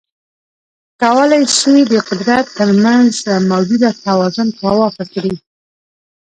کولای شي د قدرت ترمنځ موجوده توازن کاواکه کړي.